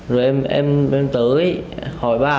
rồi em tới hỏi bà